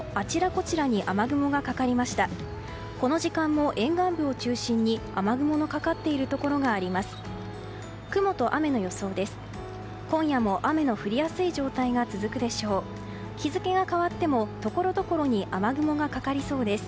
この時間も沿岸部を中心に雨雲のかかっているところがあります。